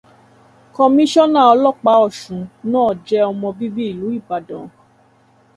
Kọmíṣọ́nà ọlọ́pàá Ọ̀sun náà jẹ́ ọmọbíbí ìlú Ìbàdàn.